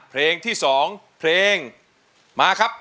เพลงที่๒เพลงมาครับ